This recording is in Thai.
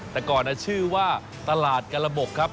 แต่ก่อนชื่อว่าตลาดกระบบครับ